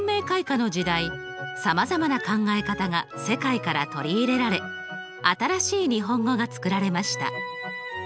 開化の時代さまざまな考え方が世界から取り入れられ新しい日本語が作られました。